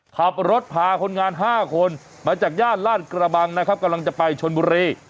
ขับรถพาคนงาน๕คนมาจากย่านลาดกระบังนะครับกำลังจะไปชนบุรี